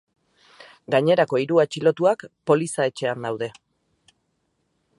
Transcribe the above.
Gainerako hiru atxilotuak poliza-etxean daude.